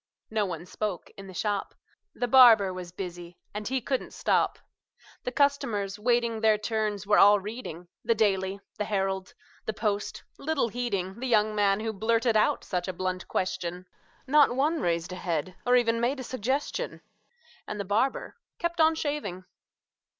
No one spoke in the shop: The barber was busy, and he couldn't stop; The customers, waiting their turns, were all reading The "Daily," the "Herald," the "Post," little heeding The young man who blurted out such a blunt question; Not one raised a head, or even made a suggestion; And the barber kept on shaving.